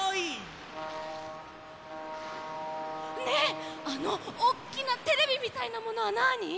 ねえあのおっきなテレビみたいなものはなに？